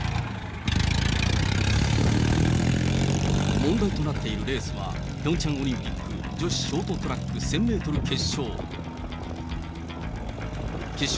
問題となっているレースは、ピョンチャンオリンピック女子ショートトラック１０００メートル決勝。